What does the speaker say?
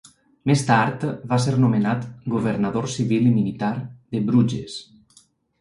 Més tard, va ser nomenat governador civil i militar de Bruges.